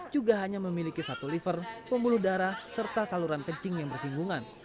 juga hanya memiliki satu liver pembuluh darah serta saluran kencing yang bersinggungan